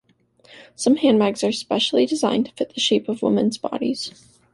Some handbags are specially designed to fit the shape of women’s bodies.